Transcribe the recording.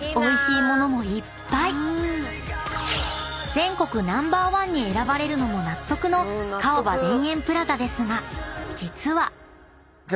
［全国Ｎｏ．１に選ばれるのも納得の川場田園プラザですが実は］